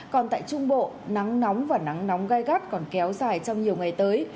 còn tại trung bộ nắng nóng và nắng nóng gai gắt còn kéo dài trong nhiều ngày tới